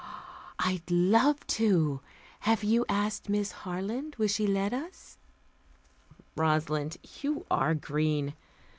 "I'd love to. Have you asked Miss Harland? Will she let us?" "Rosalind, you are green.